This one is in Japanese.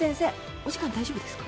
お時間大丈夫ですか？